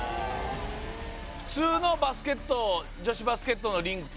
普通のバスケット女子バスケットのリングって？